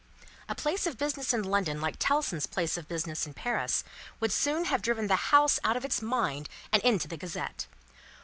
A place of business in London like Tellson's place of business in Paris, would soon have driven the House out of its mind and into the Gazette.